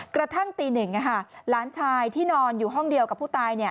กระทั่งตีหนึ่งหลานชายที่นอนอยู่ห้องเดียวกับผู้ตาย